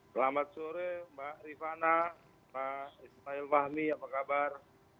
selamat sore mbak rifana pak ismail fahmi apa kabar